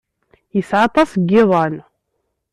Yesɛa aṭas n yiḍan.